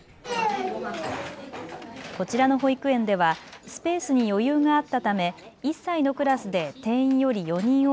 こちらの保育園ではスペースに余裕があったため１歳のクラスで定員より４人多。